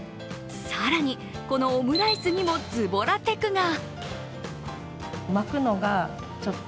更に、このオムライスにもズボラテクが。